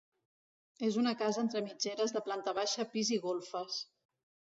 És una casa entre mitgeres de planta baixa, pis i golfes.